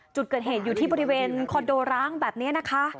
จุดเกิดเหตุอยู่ที่บริเวณคอนโดร้างแบบนี้นะคะ